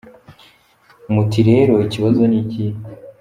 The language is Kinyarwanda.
Muti rero ikibazo ni ikihe ?